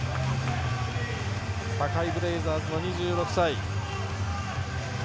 堺ブレイザーズの２６歳。